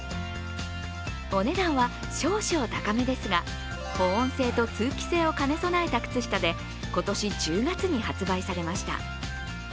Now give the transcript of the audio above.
お値段は少々高めですが保温性と通気性を兼ね備えた靴下で今年１０月に発売されました。